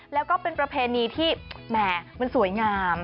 แล้วก็เป็นประเพณีที่แหม่มันสวยงาม